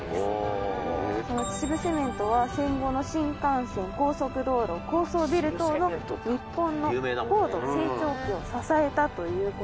その秩父セメントは戦後の新幹線高速道路高層ビル等の日本の高度成長期を支えたという事で。